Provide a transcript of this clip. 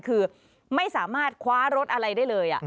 คือไม่สามารถคว้ารถอะไรได้เลย